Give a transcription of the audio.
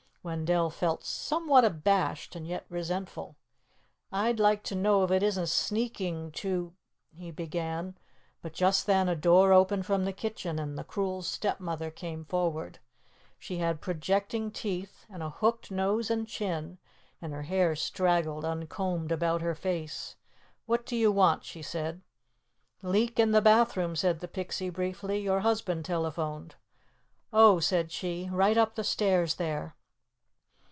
Wendell felt somewhat abashed, and yet resentful. "I'd like to know if it isn't sneaking to " he began, but just then a door opened from the kitchen and the Cruel Stepmother came forward. She had projecting teeth, and a hooked nose and chin, and her hair straggled uncombed about her face. "What do you want?" she said. "Leak in the bathroom," said the Pixie briefly. "Your husband telephoned." "Oh," said she. "Right up the stairs there."